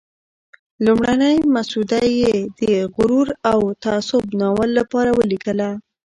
لومړنی مسوده یې د "غرور او تعصب" ناول لپاره ولېږله.